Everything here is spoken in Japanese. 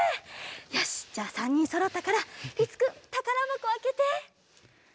よしっじゃあ３にんそろったからりつくんたからばこあけて。